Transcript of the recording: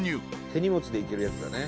手荷物でいけるやつだね。